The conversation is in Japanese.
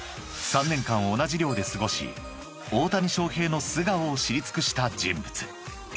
［３年間同じ寮で過ごし大谷翔平の素顔を知り尽くした人物］